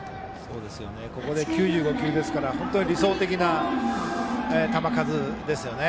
ここで９５球ですから本当に理想的な球数ですね。